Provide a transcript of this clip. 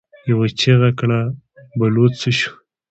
يوه چيغه کړه: بلوڅ څه شو؟